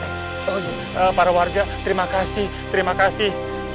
oh para warga terima kasih terima kasih